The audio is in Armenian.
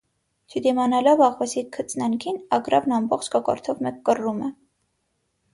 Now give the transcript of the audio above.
Չդիմանալով աղվեսի քծնանքին՝ ագռավն ամբողջ կոկորդով մեկ կռռում է։